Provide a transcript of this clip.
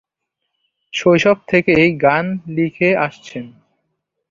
শৈশব থেকেই গান লিখে আসছেন।